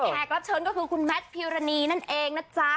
รับเชิญก็คือคุณแมทพิวรณีนั่นเองนะจ๊ะ